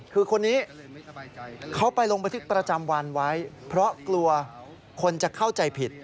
คือคนนี้เขาไปลงบันทึกประจำวันไว้เพราะกลัวคนจะเข้าใจผิด